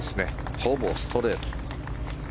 ほぼストレート。